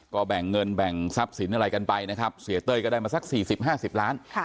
ก็แบ่งเงินแบ่งทรัพย์สินอะไรกันไปนะครับเสียเต้ยก็ได้มาสัก๔๐๕๐ล้าน